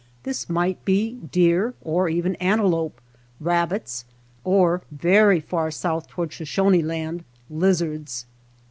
This might be deer or even antelope, rab bits, or, very far south towards Shoshone Land, lizards.